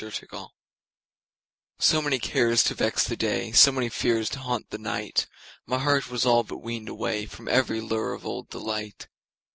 Summer Magic SO many cares to vex the day, So many fears to haunt the night, My heart was all but weaned awayFrom every lure of old delight.